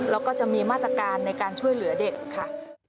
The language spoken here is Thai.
แล้วก็จะมีมาตรการในการช่วยเหลือเด็กค่ะ